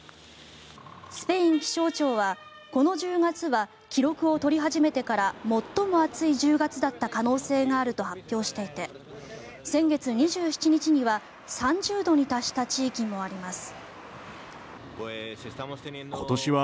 スペイン気象庁はこの１０月は記録を取り始めてから最も暑い１０月だった可能性があると発表していて先月２７日には３０度に達した地域もあります。